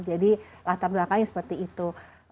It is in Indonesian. jadi latar belakangnya seperti itu